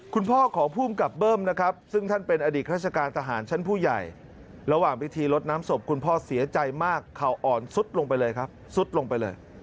คุณพ่อของภูมิกับเบิ้มนะครับซึ่งท่านเป็นอดีตราชการทหารชั้นผู้ใหญ่ระหว่างพิธีลดน้ำศพคุณพ่อเสียใจมากเข่าอ่อนซุดลงไปเลยครับสุดลงไปเลย